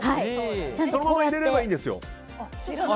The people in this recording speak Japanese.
そのまま入れればいいんですよ。